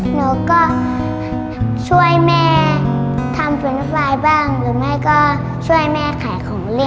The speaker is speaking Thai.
หนูก็ช่วยแม่ทำฝืนไฟล์บ้างหรือไม่ก็ช่วยแม่ขายของเล่น